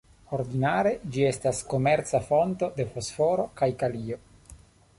Ordinare, ĝi estas komerca fonto de fosforo kaj kalio.